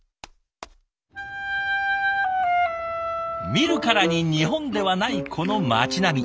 見るからに日本ではないこの街並み。